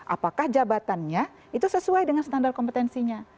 apakah jabatannya itu sesuai dengan standar kompetensinya